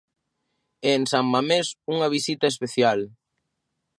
E en San Mamés unha visita especial.